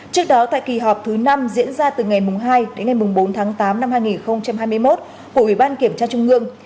trước đó tại kỳ họp thứ năm diễn ra từ ngày hai đến ngày bốn tháng tám năm hai nghìn hai mươi một của ủy ban kiểm tra trung ương